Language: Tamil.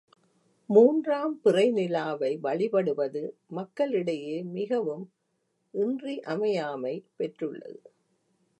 மூன்றாம் பிறை நிலாவை வழிபடுவது மக்களிடையே மிகவும் இன்றியமையாமை பெற்றுள்ளது.